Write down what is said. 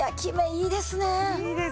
いいですね。